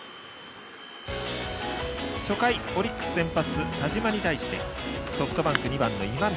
初回、オリックス先発田嶋に対してソフトバンク２番の今宮。